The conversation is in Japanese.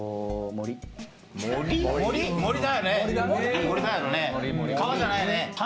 森だよね川じゃないね。